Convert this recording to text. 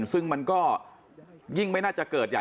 ซึ่งมันก็ยิ่งไม่น่าจะเกิดใหญ่